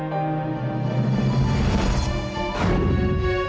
kalau anak kita masih hidup